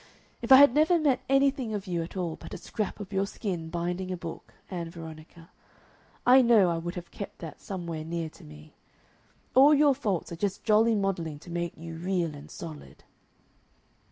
If I had never met anything of you at all but a scrap of your skin binding a book, Ann Veronica, I know I would have kept that somewhere near to me.... All your faults are just jolly modelling to make you real and solid."